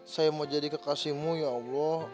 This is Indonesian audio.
saya mau jadi kekasihmu ya allah